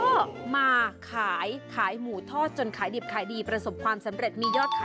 ก็มาขายหมูทอดจนขายดีบขายดีไปส่งความสำเร็จ